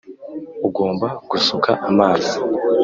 ugomba gusuka amazi